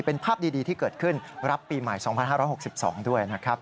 เป็นภาพดีที่เกิดขึ้นรับปีใหม่๒๕๖๒ด้วยนะครับ